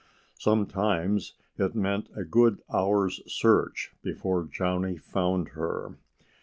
Sometimes it meant a good hour's search before Johnnie found her.